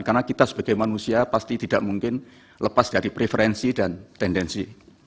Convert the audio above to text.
karena kita sebagai manusia pasti tidak mungkin lepas dari preferensi dan tendensi